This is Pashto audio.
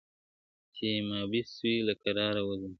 • سېمابي سوی له کراره وځم,